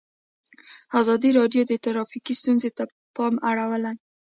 ازادي راډیو د ټرافیکي ستونزې ته پام اړولی.